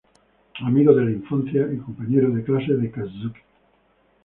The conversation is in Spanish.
Amigo de la infancia y compañero de clases de Kazuki.